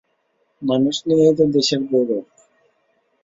মানুষ নিয়েই তো দেশের গৌরব।